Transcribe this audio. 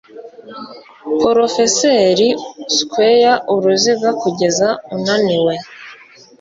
Porofeseri Squareuruzigakugezaunaniwe